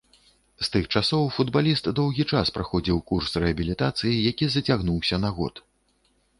З тых часоў футбаліст доўгі час праходзіў курс рэабілітацыі, які зацягнуўся на год.